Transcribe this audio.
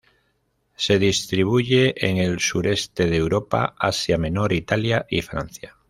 Se distribuye en el sureste de Europa, Asia Menor, Italia y Francia.